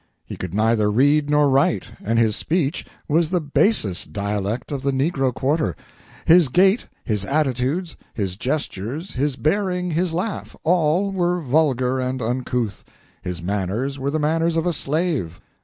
He could neither read nor write, and his speech was the basest dialect of the negro quarter. His gait, his attitudes, his gestures, his bearing, his laugh all were vulgar and uncouth; his manners were the manners of a slave.